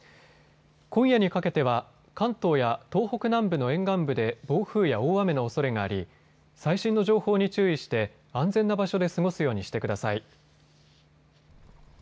今夜にかけては関東や東北南部の沿岸部で暴風や大雨のおそれがあり最新の情報に注意して安全な場所で過ごすようにしてください。